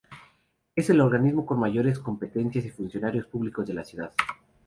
Es el organismo con mayores competencias y funcionarios públicos en la ciudad.